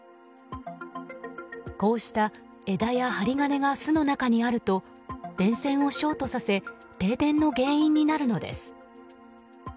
こうした枝や針金が巣の中にあると電線をショートさせ停電の原因になるのです。